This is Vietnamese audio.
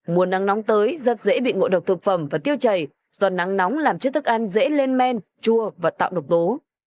mùa nắng nóng tới rất dễ bị ngộ độc thực phẩm và tiêu chảy do nắng nóng làm cho thức ăn dễ lên men chua và tạo độc tố